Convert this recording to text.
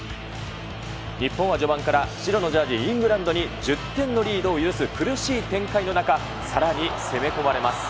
日本は序盤から白のジャージ、イングランドに１０点のリードを許す苦しい展開の中、さらに攻め込まれます。